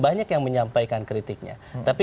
banyak yang menyampaikan kritiknya tapi